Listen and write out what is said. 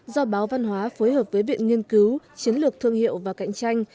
do báo văn hóa phối hợp với viện nghiên cứu chiến lược thương hiệu và cạnh tranh